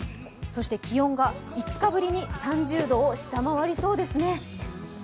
そして気温が、５日ぶりに３０度を下回りそうですね。